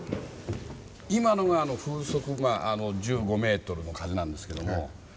今のが風速１５ｍの風なんですけども。